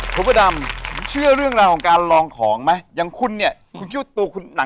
พบดำเชื่อเรื่องราวของการรับชม